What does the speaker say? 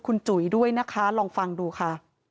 คุณจุ๋ยด้วยนะคะลองฟังดูค่ะ